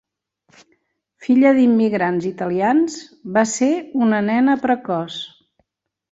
Filla d'immigrants italians, va ser una nena precoç.